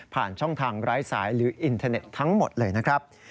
ช่องทางไร้สายหรืออินเทอร์เน็ตทั้งหมดเลยนะครับ